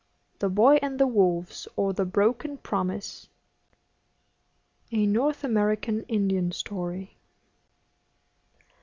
THE BOY AND THE WOLVES, OR THE BROKEN PROMISE(18) (18) A North American Indian story.